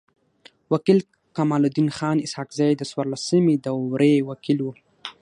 و کيل کمال الدین خان اسحق زی د څوارلسمي دوری وکيل وو.